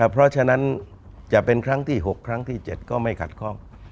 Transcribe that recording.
เพราะฉะนั้นจะเป็นครั้งที่๖ครั้งที่๗ก็ไม่ขัดข้อง